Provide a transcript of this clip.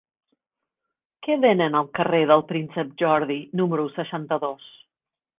Què venen al carrer del Príncep Jordi número seixanta-dos?